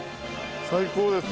最高です。